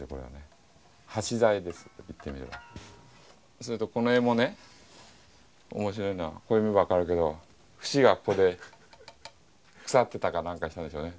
それとこの柄もね面白いのはこれ見れば分かるけど節がここで腐ってたかなんかしたんでしょうね。